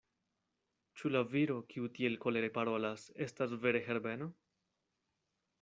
Ĉu la viro, kiu tiel kolere parolas, estas vere Herbeno?